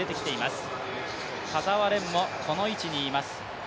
田澤廉もこの位置にいます。